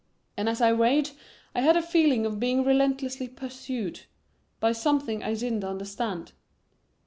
And as I raged I had a feeling of being relentlessly pursued by something I didn't understand.